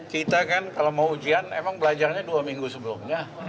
kita kan kalau mau ujian emang belajarnya dua minggu sebelumnya